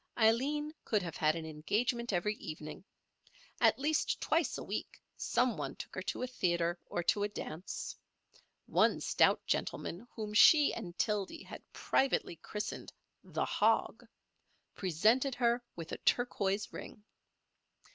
Aileen could have had an engagement every evening. At least twice a week some one took her to a theatre or to a dance. One stout gentleman whom she and Tildy had privately christened "The Hog" presented her with a turquoise ring.